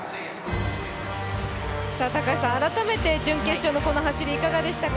高橋さん、改めて準決勝のこの走りいかがでしたか。